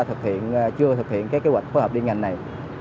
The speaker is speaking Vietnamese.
thực hiện chưa thực hiện cái kế hoạch khối hợp đi ngành này